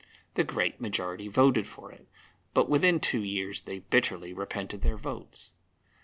The great majority voted for it, but within two years they bitterly repented their votes.